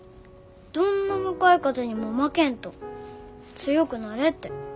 どんな向かい風にも負けんと強くなれって。